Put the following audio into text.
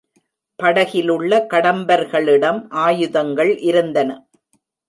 படகிலுள்ள கடம்பர்களிடம் ஆயுதங்கள் இருந்தன.